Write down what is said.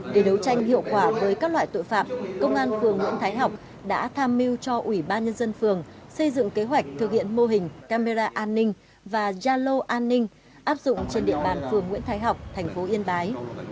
để đấu tranh hiệu quả với các loại tội phạm công an phường nguyễn thái học đã tham mưu cho ủy ban nhân dân phường xây dựng kế hoạch thực hiện mô hình camera an ninh và gia lô an ninh áp dụng trên địa bàn phường nguyễn thái học thành phố yên bái